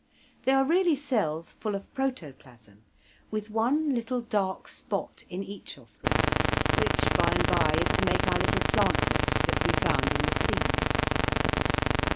They are really cells full of protoplasm, with one little dark spot in each of them, which by and by is to make our little plantlet that we found in the seed.